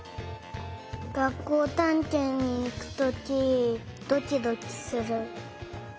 がっこうたんけんにいくときドキドキする。